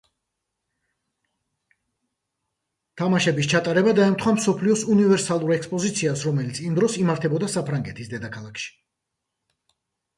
თამაშები ჩატარება დაემთხვა მსოფლიოს უნივერსალური ექსპოზიციას, რომელიც იმ დროს იმართებოდა საფრანგეთის დედაქალაქში.